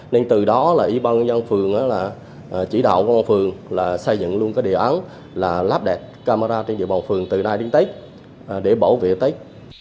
nên từ đó là y băng nhân dân phường chỉ đạo công an phường là xây dựng luôn cái điều án là lắp đẹp camera trên địa bằng phường từ nay đến tết để bảo vệ tết